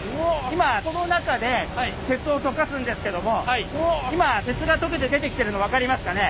今この中で鉄を溶かすんですけども今鉄が溶けて出てきてるの分かりますかね？